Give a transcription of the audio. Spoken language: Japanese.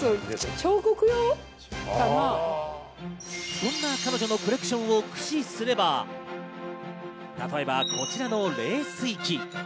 そんな彼女のコレクションを駆使すれば、例えばこちらの冷水機。